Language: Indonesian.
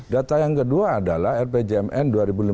data yang kedua adalah rpjmn dua ribu lima belas dua ribu sembilan belas